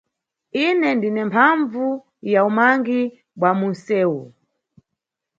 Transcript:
Ine ndine mphambvu ya umangi bwa munʼsewu.